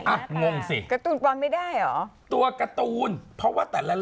การ์ตูนที่๘๖วิทยาหา